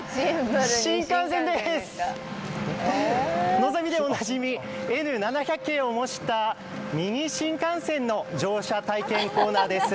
のぞみでおなじみＮ７００系を模したミニ新幹線の乗車体験コーナーです。